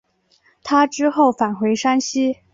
他之后返回山西。